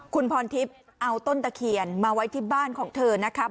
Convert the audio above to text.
คุณพรทิพย์เอาต้นตะเคียนมาไว้ที่บ้านของเธอนะครับ